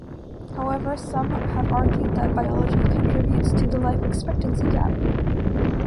However, some have argued that biology contributes to the life-expectancy gap.